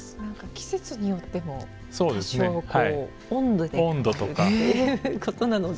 季節によっても多少温度で変わるということなので。